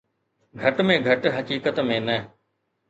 گهٽ ۾ گهٽ حقيقت ۾ نه.